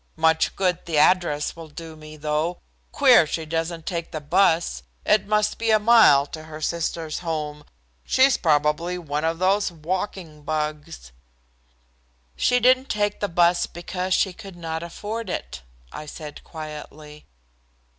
Much good the address will do me, though. Queer she doesn't take the bus. It must be a mile to her sister's home. She's probably one of those walking bugs." "She didn't take the bus because she could not afford it," I said quietly.